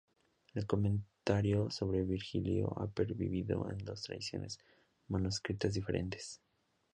El comentario sobre Virgilio ha pervivido en dos tradiciones manuscritas diferentes.